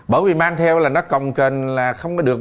bởi vì mang theo là nó còng cền là không có được